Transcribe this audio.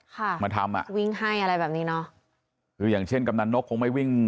ค่ะมาทำอ่ะวิ่งให้อะไรแบบนี้เนอะคืออย่างเช่นกำนันนกคงไม่วิ่ง